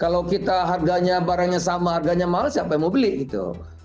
kalau kita harganya barangnya sama harganya mahal siapa yang mau beli gitu